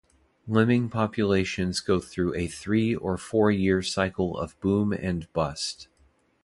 Lemming populations go through a three- or four-year cycle of boom and bust.